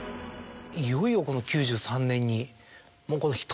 いよいよこの９３年に。